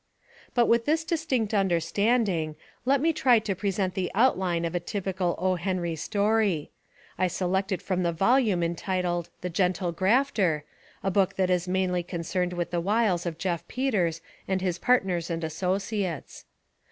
But with this distinct understanding, let me try to present the outline of a typical O. Henry story. I select it from the volume entitled The Gentle Grafter, a book that is mainly con cerned with the wiles of Jeff Peters and his partners and associates.